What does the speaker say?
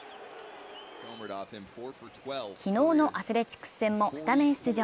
昨日のアスレチックス戦もスタメン出場。